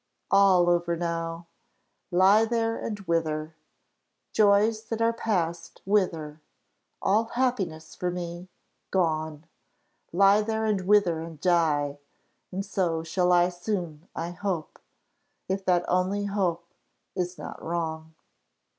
All over now; lie there and wither! Joys that are passed, wither! All happiness for me, gone! Lie there, and wither, and die! and so shall I soon, I hope if that only hope is not wrong."